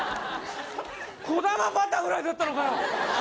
こだまバタフライだったのかよ